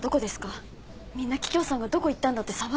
みんな桔梗さんがどこ行ったんだって騒いでます。